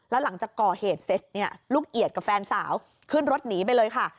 แล้วหลังจากก่อเหตุเสร็จเนี่ยลูกเอียดกับแฟนสาวขึ้นรถหนีไปเลยค่ะ